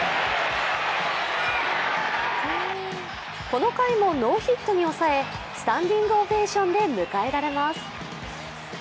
この回もノーヒットに抑えスタンディングオベーションで迎えられます。